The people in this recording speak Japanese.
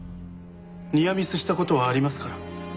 ニアミスした事はありますから。